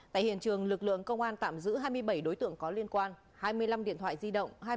tại hiện trường lực lượng công an tạm giữ hai mươi bảy đối tượng có liên quan hai mươi năm điện thoại di động